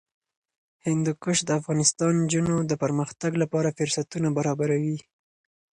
هندوکش د افغان نجونو د پرمختګ لپاره فرصتونه برابروي.